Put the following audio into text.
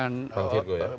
pengampil gue ya